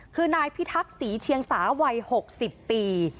คือนายพิทักษีเชียงสาวัย๖๐ปี